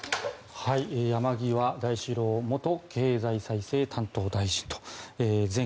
山際大志郎前経済再生担当大臣。